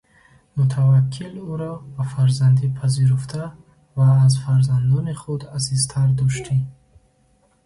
Мутаваккил ӯро ба фарзандӣ пазируфта ва аз фарзандони худ азизтар доштӣ.